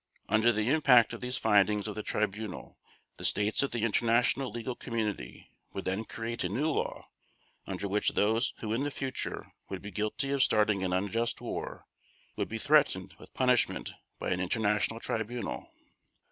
Under the impact of these findings of the Tribunal the States of the international legal community would then create a new law under which those who in the future would be guilty of starting an unjust war would be threatened with punishment by an International Tribunal.